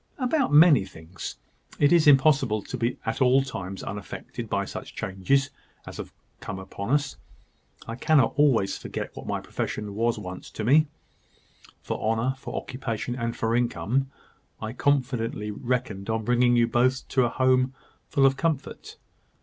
"About many things. It is impossible to be at all times unaffected by such changes as have come upon us; I cannot always forget what my profession once was to me, for honour, for occupation, and for income. I confidently reckoned on bringing you both to a home full of comfort.